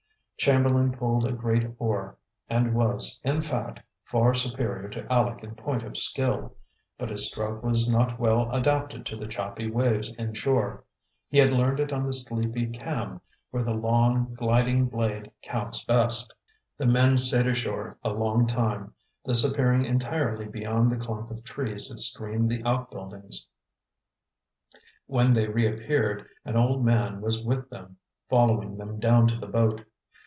Chamberlain pulled a great oar, and was, in fact, far superior to Aleck in point of skill; but his stroke was not well adapted to the choppy waves inshore. He had learned it on the sleepy Cam, where the long, gliding blade counts best. The men stayed ashore a long time, disappearing entirely beyond the clump of trees that screened the outbuildings. When they reappeared, an old man was with them, following them down to the boat.